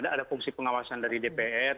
ada fungsi pengawasan dari dpr